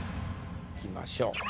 いきましょう。